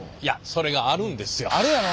それがあるんですよ。